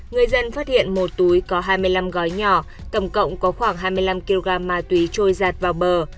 người dân phát hiện một túi có hai mươi năm gói nhỏ cầm cộng có khoảng hai mươi năm kg ma túy trôi giạt vào bờ